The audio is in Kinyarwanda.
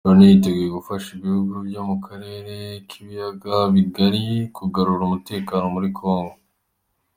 Loni yiteguye gufasha ibihugu byo mu karere k’ibiyaga bigari kugarura umutekano muri kongo